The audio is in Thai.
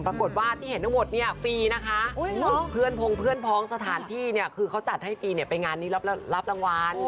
ปรากฏว่าที่เห็นทั้งหมดฟรีนะคะเพื่อนพร้องสถานที่คือเขาจัดให้ฟรีไปงานนี้รับรางวัล